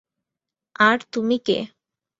আর তুমি কে?